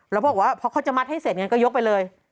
แล้วพอเขาจะมัดให้เสร็จก็ยกไปเลย